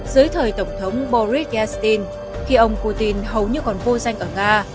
dưới thời tổng thống boris yastin khi ông putin hầu như còn vô danh ở nga